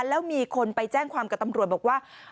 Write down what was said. แล้วมีคนไปแจ้งความกับตำรวจบอกว่า